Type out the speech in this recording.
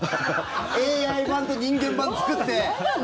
ＡＩ版と人間版作って。